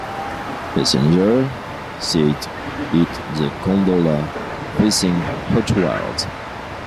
Passengers sit in the gondola, facing outward.